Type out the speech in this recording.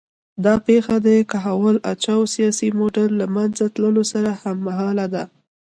دا پېښه د کهول اجاو سیاسي موډل له منځه تلو سره هممهاله ده